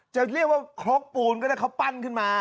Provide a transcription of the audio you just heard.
จะเรียกว่าครกปูนก็ได้เขาปั้นขึ้นมา